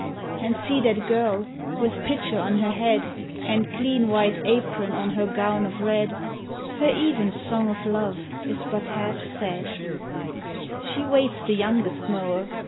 And see that girl, with pitcher on her head, And clean white apron on her gown of red, — Her even song of love is but half said: She waits the youngest mower.